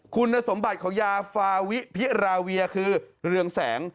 คุณสมบัติของยาฟาวิพิราเวียคือเรืองแสง